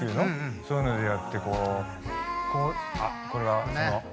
そういうのでやってこうこれはその。